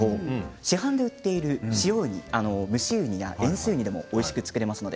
市販で売っている蒸しウニや塩水ウニでもおいしく作れますので